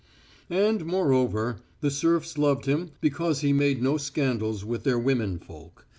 And, moreover, the serfs loved him because he made no scandals with their women folk.